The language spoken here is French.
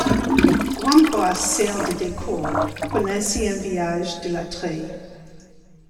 Grambois sert de décor pour l'ancien village de la Treille.